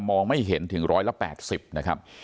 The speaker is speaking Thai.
มองไม่เห็นถึงร้อยละ๘๐นะครับ